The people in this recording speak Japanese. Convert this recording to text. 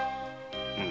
うん。